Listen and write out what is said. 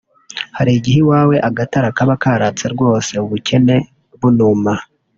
Hari ighe iwawe agatara kaba karatse rwose (ubukene bunuma)